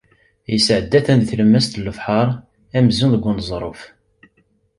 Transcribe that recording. Isɛedda-ten di tlemmast n lebḥer amzun deg uneẓruf.